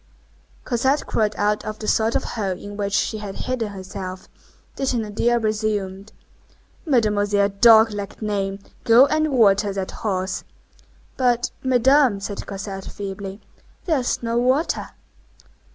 Cosette crawled out of the sort of hole in which she had hidden herself. The Thénardier resumed:— "Mademoiselle Dog lack name, go and water that horse." "But, Madame," said Cosette, feebly, "there is no water."